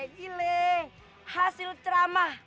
gile hasil ceramah